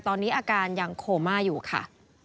ตอนนี้อาการยังโคม่าอยู่ค่ะ